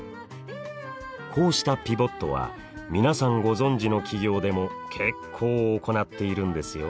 こうしたピボットは皆さんご存じの企業でも結構行っているんですよ。